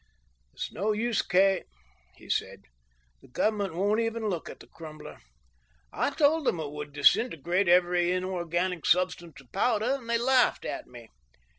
"It's no use, Kay," he said. "The Government won't even look at the Crumbler. I told them it would disintegrate every inorganic substance to powder, and they laughed at me.